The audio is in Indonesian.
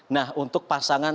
nah untuk pasangan dua